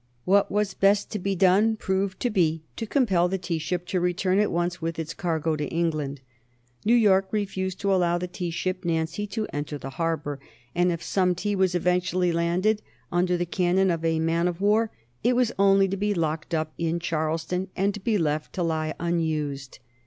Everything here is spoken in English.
"What was best to be done" proved to be to compel the tea ship to return at once with its cargo to England. New York refused to allow the tea ship "Nancy" to enter the harbor, and if some tea was eventually landed under the cannon of a man of war, it was only to be locked up as in Charleston, and to be left to lie unused.